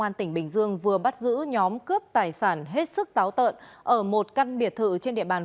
an tỉnh bình dương vừa bắt giữ nhóm cướp tài sản hết sức táo tợn ở một căn biệt thự trên địa bàn